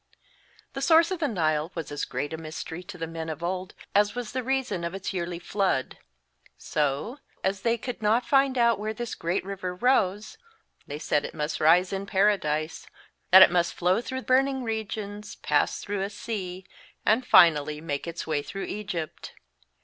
The source of the Nile was as great a mystery to the men of old as was the reason of its yearly flood. So, as they could not find out where this great river rose, they said it must rise in Paradise, that it must flow through burning regions, pass through a sea, and finally make its way through Egypt.